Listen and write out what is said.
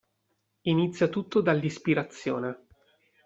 Inizia tutto dall'ispirazione.